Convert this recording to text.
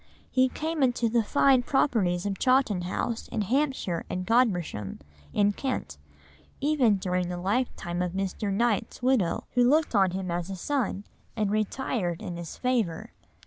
He came into the fine properties of Chawton House in Hampshire and Godmersham in Kent, even during the lifetime of Mr. Knight's widow, who looked on him as a son and retired in his favour.